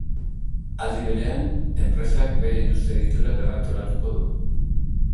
Aldi berean, enpresak bere industria egitura berrantolatuko du.